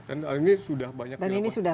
dan ini sudah banyak dilakukan